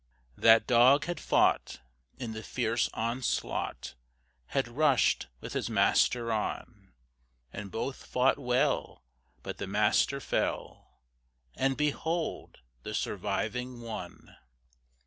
That dog had fought in the fierce onslaught, Had rushed with his master on, And both fought well; But the master fell, And behold the surviving one!